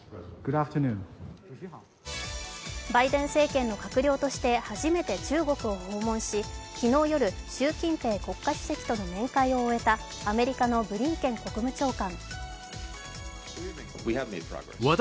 バイデン政権の閣僚として初めて中国を訪問し昨日夜、習近平国家主席との面会を終えたアメリカのブリンケン国務長官。